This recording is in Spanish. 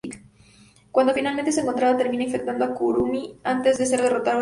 Cuando finalmente es encontrada, termina infectando a Kurumi antes de ser derrotada por Miki.